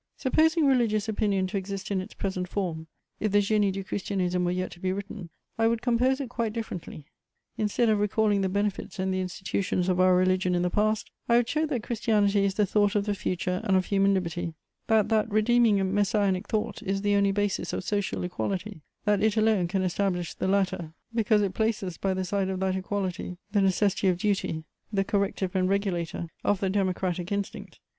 Supposing religious opinion to exist in its present form, if the Génie du Christianisme were yet to be written, I would compose it quite differently: instead of recalling the benefits and the institutions of our religion in the past, I would show that Christianity is the thought of the future and of human liberty; that that redeeming and Messianic thought is the only basis of social equality; that it alone can establish the latter, because it places by the side of that equality the necessity of duty, the corrective and regulator of the democratic instinct.